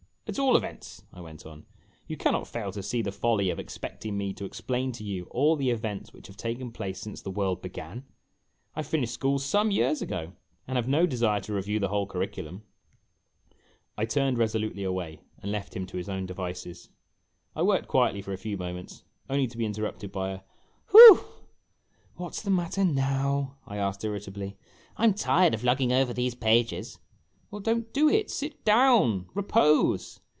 "At all events," I went on, "you can not fail to see the folly of expecting me to explain to you all the events which have taken place since the world began. I finished school some years ago, and have no desire to review the whole curriculum." I turned resolutely away and left him to his own devices. I worked quietly for a few moments, only to be interrupted by a "Whew!" "What 's the matter now?" I asked, irritably. " I 'm tired of lugging over these pages !" "Well, don't do it. Sit down. Repose."